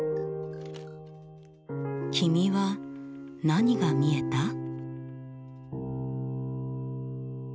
君は何が見えた？